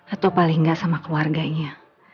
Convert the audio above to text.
atau paling nggak sama keluarganya